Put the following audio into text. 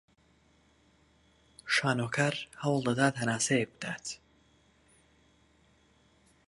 شانۆکار هەوڵ دەدات هەناسەیەک بدات